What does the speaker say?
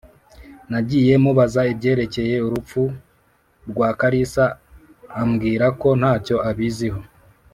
Nagiye mubaza ibyerekeye urupfu rwa kalisa abwirako ntacyo abiziho